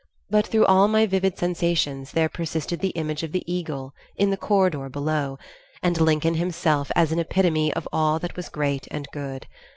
But through all my vivid sensations there persisted the image of the eagle in the corridor below and Lincoln himself as an epitome of all that was great and good.